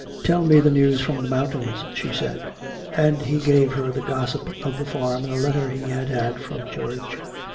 "Tell me the news from the mountains," she said. And he gave her the gossip of the farm in a letter he had had from George.